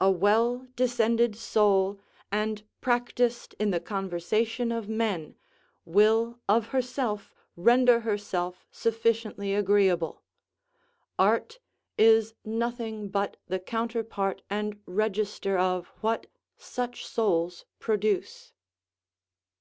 A well descended soul, and practised in the conversation of men, will of herself render herself sufficiently agreeable; art is nothing but the counterpart and register of what such souls produce.